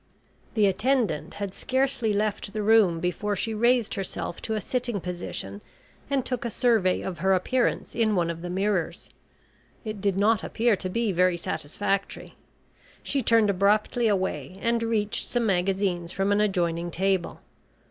The attendant had scarcely left the room before she raised herself to a sitting position, and took a survey of her appearance in one of the mirrors. It did not appear to be very satisfactory. She turned abruptly away and reached some magazines from an adjoining table.